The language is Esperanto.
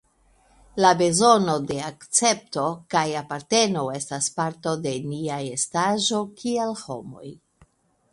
La bezono de akcepto kaj aparteno estas parto de nia estaĵo kiel homoj.